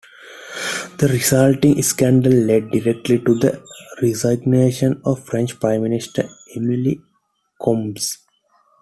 The resulting scandal led directly to the resignation of French Prime Minister Emile Combes.